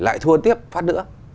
lại thua tiếp phát nữa